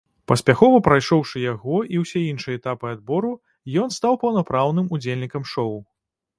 Паспяхова прайшоўшы яго, і ўсе іншыя этапы адбору, ён стаў паўнапраўным удзельнікам шоў.